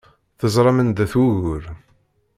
Teẓram anda-t wugur.